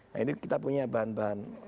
nah ini kita punya bahan bahan